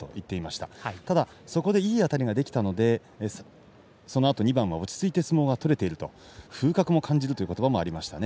ただそのあといいあたりができたのでそのあと２番は落ち着いて相撲が取れている風格も感じるということばもありましたね。